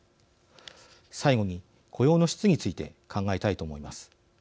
最後に、雇用の質について考えたいと思います。